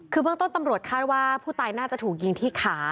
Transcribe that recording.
คือเบื้องต้นตำรวจคาดว่าผู้ตายน่าจะถูกยิงที่ขา